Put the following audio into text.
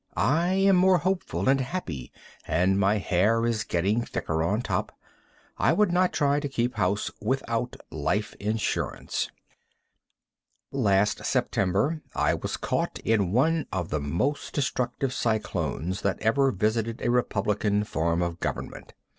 I am more hopeful and happy, and my hair is getting thicker on top. I would not try to keep house without life insurance. Last September I was caught in one of the most destructive cyclones that ever visited a republican form of government.